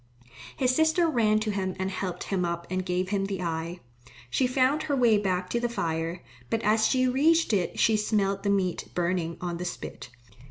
His sister ran to him and helped him up and gave him the eye. She found her way back to the fire, but as she reached it she smelled the meat burning on the spit.